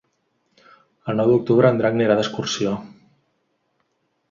El nou d'octubre en Drac anirà d'excursió.